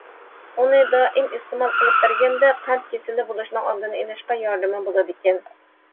ئۇنى دائىم ئىستېمال قىلىپ بەرگەندە، قەنت كېسىلى بولۇشنىڭ ئالدىنى ئېلىشقا ياردىمى بولىدىكەن.